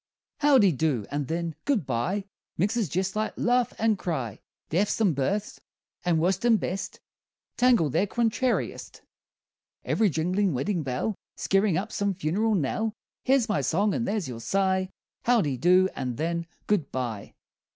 Howdy do, and then, good bye Mixes jest like laugh and cry; Deaths and births, and worst and best Tangled their contrariest; Ev'ry jinglin' weddin' bell Skeerin' up some funeral knell. Here's my song, and there's your sigh: Howdy do, and then, good bye!